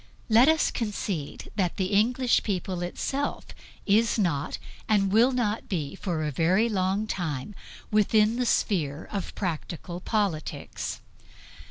Let us concede that the English people itself is not and will not be for a very long time within the sphere of practical politics.